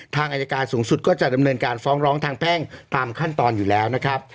ทางอายการสูงสุดก็จะดำเนินการฟ้องร้องทางแพ่งตามขั้นตอนอยู่แล้วนะครับ